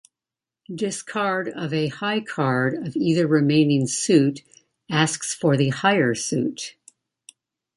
Discard of a high card of either remaining suit, asks for the higher suit.